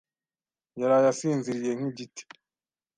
yaraye asinziriye nk'igiti.